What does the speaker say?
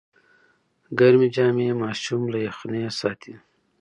ګرمې جامې ماشوم له یخنۍ ساتي۔